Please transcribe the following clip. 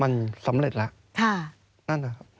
มันสำเร็จแล้วนั่นแหละครับ